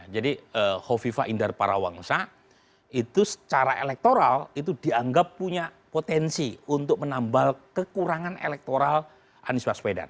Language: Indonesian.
jadi hovifah indar parawangsa itu secara elektoral itu dianggap punya potensi untuk menambah kekurangan elektoral anies baswedan